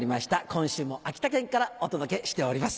今週も秋田県からお届けしております。